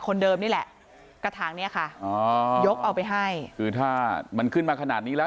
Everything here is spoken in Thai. คนเดิมนี่แหละกระถางเนี้ยค่ะอ๋อยกเอาไปให้คือถ้ามันขึ้นมาขนาดนี้แล้ว